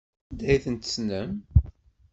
Anda ay ten-tessnem?